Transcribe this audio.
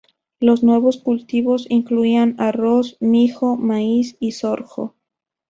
Los nuevos cultivos incluían arroz, mijo, maíz y sorgo.